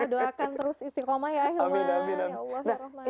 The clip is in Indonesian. doakan terus istiqomah ya ilman amin amin